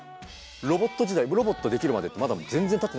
ロボット自体ロボットできるまでってまだ全然たってないんで。